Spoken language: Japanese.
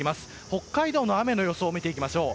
北海道の雨の予想を見ていきましょう。